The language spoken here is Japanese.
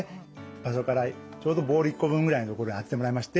場所からちょうどボール１個分ぐらいの所に当ててもらいまして